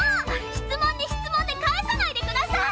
質問に質問で返さないでください！